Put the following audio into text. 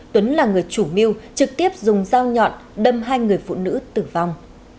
tuấn là người chủ mưu trực tiếp dùng dao nhọn đâm hai người phụ nữ tử vong